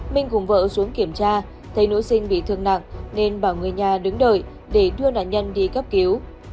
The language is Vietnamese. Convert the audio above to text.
minh cùng vợ xuống kiểm tra thấy nữ sinh bị thương nặng nên bảo người nhà đứng đợi để đưa nạn nhân đi cấp cứu